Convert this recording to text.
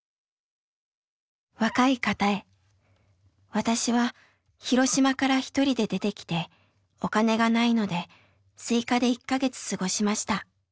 「若い方へ私は広島から一人で出てきてお金がないのでスイカで１か月過ごしました。